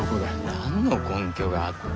何の根拠があって。